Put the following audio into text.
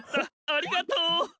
ありがとう！